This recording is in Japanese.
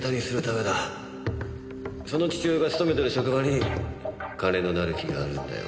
その父親が勤めてる職場に金のなる木があるんだよ。